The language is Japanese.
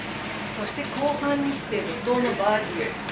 そして、後半に来て怒とうのバーディー。